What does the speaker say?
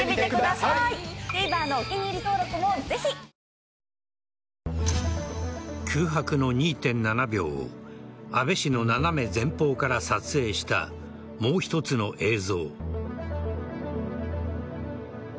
おいしい免疫ケア空白の２．７秒を安倍氏の斜め前方から撮影したもう一つの映像。